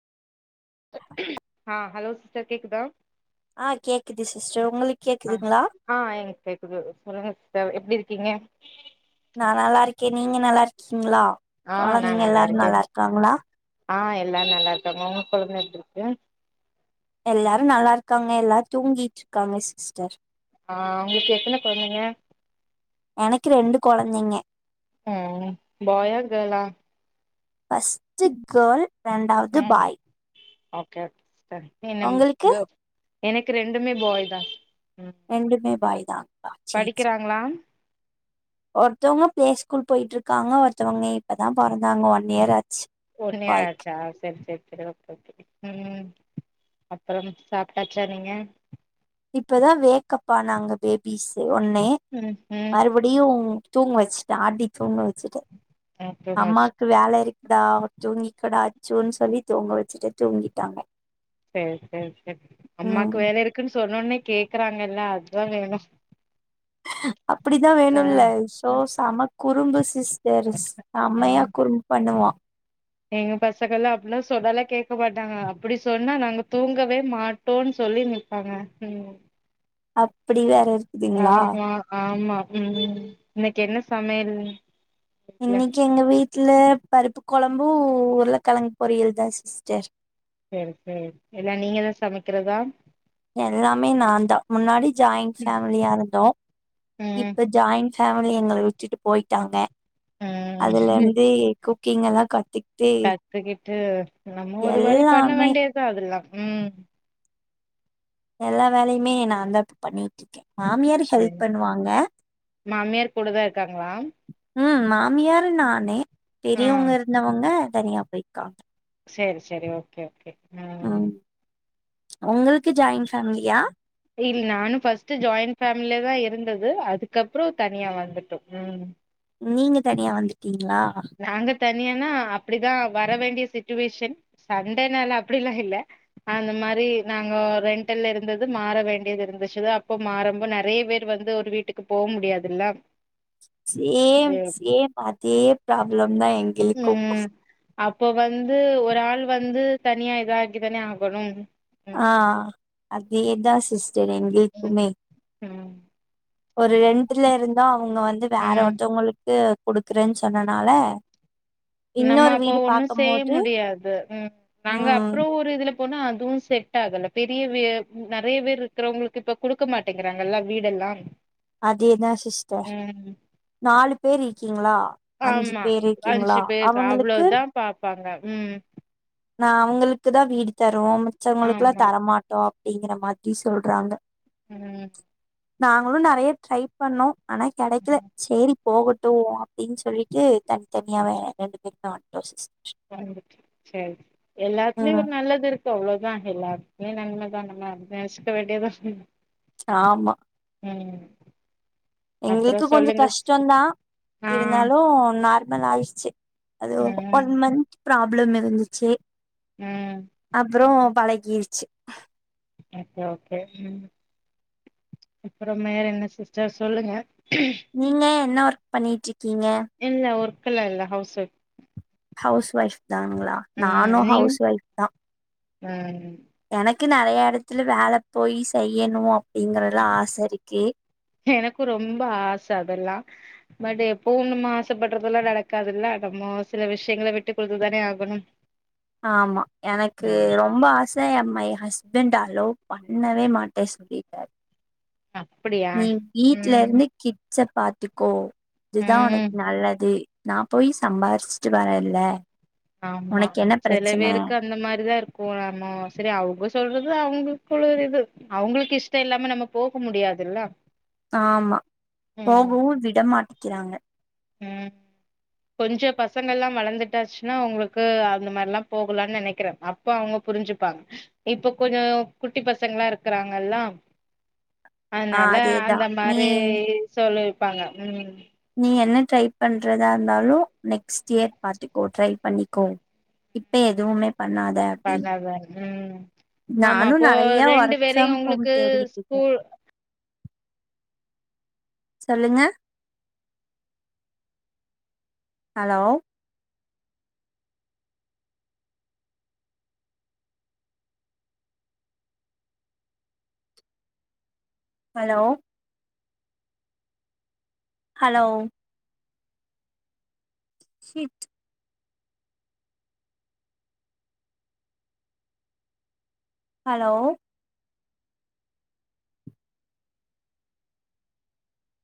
அ hello sister கேக்குதா ஆ கேக்குது சிஸ்டர் உங்களுக்கு அ கேக்குதுங்களா ஆ எனக்கு கேக்குது சொல்லுங்க டர் எப்டி இருக்கீங்க நா நல்லா இருக்கே நீங்க நல்லா இருக்கீங்ளா ஆ கொழந்தங்க எல்லாரு நல்லா இருக்காங்களா அ எல்லாரு நல்லா இருக்காங்க உங்க கொழந்த எப்டிருக்கு எல்லாரு நல்லாருக்காங்க எல்லாரு தூங்கீற்றுருக்காங்க சிஸ்டர் அ உங்களுக்கு எத்தன கொழந்தைங்க எனக்கு ரெண்டு கொழந்தைங்க ம் பாயா கேலா ஃபஸ்ட்டு கேர்ள் ரெண்டாவது பாய் ஒகே சிஸ்டர் உங்களுக்கு எனக்கு ரெண்டுமே பாய் தா ரெண்டுமே பாய் தா படிக்கிறாங்ளா ஒருத்தவங்க பிளே ஸ்கூல் போயிட்டுருக்காங்க ஒருத்தவங்க இப்பதா பொறந்தாங்க ஒன் இயர் ஆச்சு ஒடனே பாய்க்கு ஆயிருச்சா சேரி சேரி சரி ஓகே ஓகே ம் அப்புறம் சாப்ட்டாச்சா நீங்க இப்பதா வேக்கப் ஆனாங்க பேபிஸ் ஒன்னு ம் ம் மறுபடியு தூங்க வச்சுட்ட ஆட்டி தூங்க வச்சுட்ட அப்றமா அம்மாக்கு வேல இருக்குடா தூங்கிக்கடா அச்சுன்னு சொல்லி தூங்க வச்சுட்ட தூங்கிட்டாங்க சேரி சேரி சேரி அம்மாக்கு ம் வேல இருக்குன்னு சொன்னோன்னே கேக்குறாங்கல்ல அதுதா வேணு அப்டிதா ஆ வேணுல்ல சோ சம குறும்பு சிஸ்டர் ஆ செம்மையா குறும்பு பண்ணுவா எங்க பசங்கள்லா அப்டிலா சொன்னாலா கேக்க மாட்டாங்க அப்டி சொன்னா நாங்க தூங்கவே மாட்டோனு சொ சொல்லி நிப்பாங்க ம் அப்டி வேற இரு ஆமா ஆமா ம் இன்னைக்கு என்ன சமையல் வீட்ல இன்னைக்கி எங்க வீட்ல பருப்பு கொழம்பு உருளக்கெழங்கு பொரியல் தா சிஸ்டர் சேரி சேரி இல்ல நீங்கதா சமைக்கிறதா எல்லாமே நான்தா முன்னாடி ஜாயிண்ட் ஃபேமிலியா இருந்தோ ம் இப்ப ஜாயிண்ட் ஃபேமிலி எங்கள விட்டுட்டு போயிட்டாங்க ம் அதுலேருந்து குக்கிங் எல்லா கட் திட்டி ட்டு நம்ம ஒரு வழி பண்ண வேண்டியதா அதுல்லா ம் எல்லா வேலையுமே நான் தா இப்ப பண்ணிட்ருக்கே மாமியாரு சரி ஹெல்ப் பண்ணுவாங்க மாமியார் கூட தா இருக்காங்களா ம் மாமியாரு நானே ஆ பெரியவங்க இருந்தவங்க தனியா போய்க்காங்க சேரி சேரி ஓகே ஓகே ஆ இல்ல நானு ஃபஸ்ட்டு ஜாயிண்ட் ஃபே மிலல தா இருந்தது அதுக்கப்புறோ தனியா வந்துட்டோ ம் நீங்க தனியா வந்துட்டீங்களா நாங்க தனியானா அப்படிதா வர வேண்டிய சுட்டுவேஷன் சண்டேனால அப்டிலா இல்ல அந்த மாரி நாங்க ரெண்டல் இருந்தது மாற வேண்டியது இருந்துச்சு தா அப்போ மாறம்போது நெறைய பேர் வந்து ஒரு வீ வீட்டுக்கு போ முடியாதுல்ல சேம் சேம் அதே பராப்ளம் தா எங்களுக்கு ம் அப்போ வந்து ஒரு ஆள் வந்து தனியா இதாக்கி தானே ஆகணும் ம் ஆ அதேதா சிஸ்டர் ம் எங்களுக்குமே ம் ஒரு ரெண்ட்டுல இருந்தா அவுங்க வந்து வேற ம் ஒருத்தவங்களுக்கு குடுக்குறேன்னு சொன்னனால நம்ம இன்னொரு அப்போ வீடு ஒன்னும் செய்ய பாக்கும்போது முடியாது ம் நாங்க ம் அப்புற ஒரு இதுல போனா அதுவு செட் ஆகல பெரிய வீ நெறைய பேர் இருக்கிறவங்களுக்கு இப்ப குடுக்க மாட்டேங்கிறாங்கல்ல வீடல் லா அதேதா சிஸ்டர் நாலு பேரு ஆமா அஞ்சு பேரு அவங்களுக்கு அவ்ளோதா பாப்பாங்க ம் நா அவுங்களுக்குதா வீடு தருவோ மிச்சவங்களுக்குல்லா ஆமா தரமாட்டோ அப்டிங்கிற மாதிரி சொல்றாங்க ம் நாங்களு நேறைய ட்ரை பண்ணோ ஆனா கெடைக்கல ம். சேரி போகட் டு அப்டின்னு சொல்லிட்டு தனித்தனியாவே ரெண்டு பேரு வந்ட்டோ சிஸ் வந்துட்டு சேரி எல்லாத்துலியு ம் ஒரு நல்லது இருக் கு அவ்ளோதா எல்லாத்துக்குமே நன்மதா நம்ம அப்டி நெனச்சிக்க வேண்டியதா ஆமா ம் அப்புறம் எங்களுக்கு கொஞ்சோ சொல்லுங்க சிஸ்டர் கஷ்டந்தா ஆ இருந்தாலு நார்மலாயிடுச்சு அது ஒரு ஒன் ம் மந்த் ப்ராப்ளம் இருந்துச்சு ம் அப்றோ பழ கிருச்சு ஓகே ஓகே ம் அப்புறம் வேற என்ன சிஸ்டர் சொல்லுங்க நீங்க என்ன ஒர்க் பண்ணிட்ருக் இல்ல ஒர்க்கல்லா இல்ல ஹவுஸ் ஒயிஃப் ஹவுஸ் ஒய்ஃப் தானங்களா நானு நீங் ஹவுஸ் ஒய்ஃப் தா ம் எனக் கு நறைய இடத்துல வேல போய் செய்யணு அப்டிங்கறதுல ஆசை இருக்கு எனக்கு ரொம்ப ஆச அதெல்லா பட் எப்பவு நம்ம ஆசப்படுறதெல்லா நடக்காதுல்ல நம் ம ஒரு சில விஷயங்கள விட்டு குடுத்து தானே ஆகணு ஆமா எனக்கு ரொம்ப ஆச யம்மை ஹஸ்பண்ட் அலோ பண்ணவே மாட்டே சொல்லிட்டாரு அப்படியா நீ வீட்ல ம் இருந்து கிட்ஸ பாத்துக்கோ இதுதா ம் உனக்கு நல்லது நா போய் சம்பாரிச்சுட்டு வரேல்ல ஆமா சில பேருக்கு அந்த மாரிதா இருக் கு நம்ம செரி அவுங்க சொல்றது அவுங்களுக்குள்ள ஒரு இது அவுங்களுக்கு இஷ்ட இல்லாம நம்ம போக முடியாது அதெல்லா ஆமா போகவு விட மாட்டிக்கிறாங்க ம் கொஞ்சோ பசங்கல்லா வளர்ந்துட்டாச்சுன்னா உங்களுக்கு அந்த மாரிலா போகலானு நினைக்கிறே அப்ப அவுங்க புரிஞ்சுப்பாங்க இப்ப கொஞ்சோ குட்டி பசங்களா இருக்கிறாங்கல்லா ஆ அதுனால அதேதா அந்த நீ மாரி சொல்லிர்ப்பாங்க ம் நீ என்ன ட்ரை பண்றதா இருந்தாலு நெக்ஸ்ட் இயர் பாத்துக்கோ ட்ரை பண்ணிக்கோ இப்ப எதுவுமே பண்ணாத அப்டின்னு பண்ணாத ம் ஆமா நானு அப்போ நெறைய ரெண்டு ஒர்க் ஃப்ரம் பேரையு ஹோம் உங்களுக்கு தேடிட்டு இருக்கே ஸ்கூல் சொல்லுங்க ஹலோ ஹலோ ஹலோ ஷீத் ஹலோ